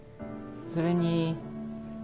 それに。